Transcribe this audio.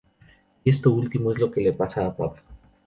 Y esto último es lo que le pasa a Pablo.